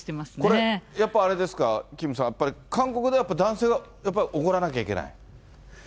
これ、やっぱあれですか、キムさん、やっぱり韓国では男性が、やっぱりおごらなきゃいけない。